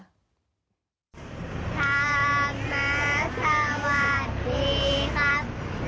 สามัสวัสดีครับ